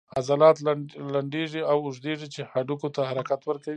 عضلات لنډیږي او اوږدیږي چې هډوکو ته حرکت ورکوي